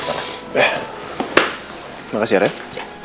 terima kasih arief